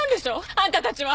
あんたたちは。